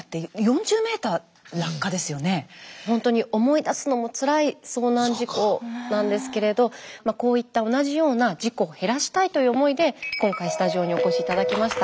ほんとに思い出すのもつらい遭難事故なんですけれどこういった同じような事故を減らしたいという思いで今回スタジオにお越し頂きました。